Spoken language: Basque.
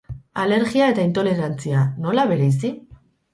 Alergia eta intolerantzia, nola bereizi?